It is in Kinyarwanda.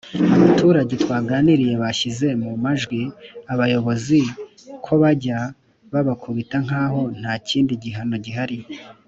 Abaturage twaganiriye bashyize mu majwi abayobozi ko bajya babakubita nk’aho nta kindi gihano gihari